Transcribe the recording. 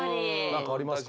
何かありますか？